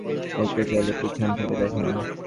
দেখতে চাইলে, পিছনে থেকে দেখেন।